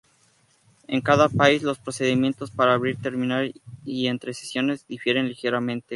En cada país los procedimientos para abrir, terminar y entre sesiones difieren ligeramente.